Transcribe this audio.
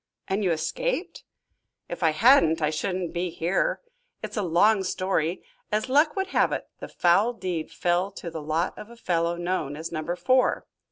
"And you escaped?" "If I hadn't I shouldn't be here. It's a long story. As luck would have it, the foul deed fell to the lot of a fellow known as Number Four.